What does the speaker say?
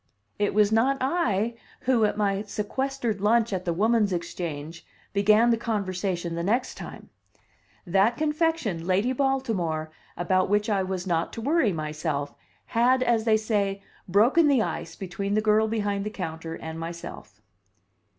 It was not I who, at my sequestered lunch at the Woman's Exchange, began the conversation the next time. That confection, "Lady Baltimore," about which I was not to worry myself, had, as they say, "broken the ice" between the girl behind the counter and myself.